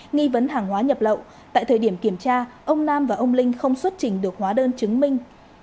nghi vấn hàng hóa nhập lậu tại thời điểm kiểm tra ông nam và ông linh không xuất trình được hóa đơn chứng minh